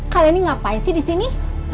kali ini ngapain sih di sini